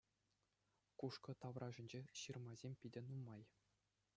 Кушкӑ таврашӗнче ҫырмасем питӗ нумай.